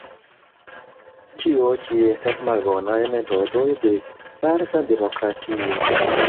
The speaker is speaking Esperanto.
Ĉio ĉi estas malbonaj metodoj de falsa demokratio.